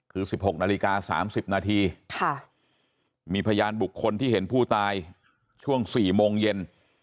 คือ๑๖นาฬิกา๓๐นาทีมีพยานบุคคลที่เห็นผู้ตายช่วง๔โมงเย็น